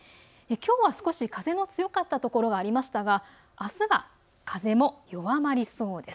きょうは少し風が強かったところがありましたが、あすは風も弱まりそうです。